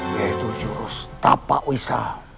yaitu jurus tapa uisa